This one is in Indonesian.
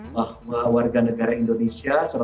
bahwa warga negara indonesia